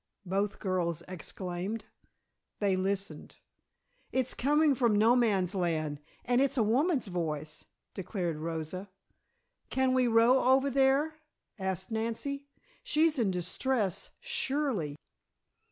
both girls exclaimed. They listened. "It's coming from No Man's Land and it's a woman's voice," declared Rosa. "Can we row over there?" asked Nancy. "She's in distress, surely."